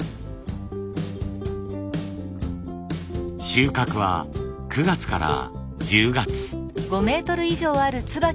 収穫は９月から１０月。